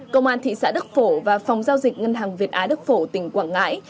công an thị xã đức phổ và phòng giao dịch ngân hàng việt á đức phổ tỉnh quảng ngãi